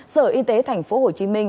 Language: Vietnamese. sở y tế tp hcm